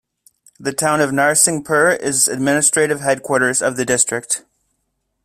The town of Narsinghpur is administrative headquarters of the district.